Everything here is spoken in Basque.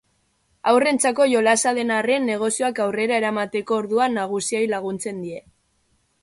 Haurrentzako jolasa den arren negozioak aurrera eramateko orduan nagusiei laguntzen die.